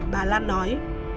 bà lan nói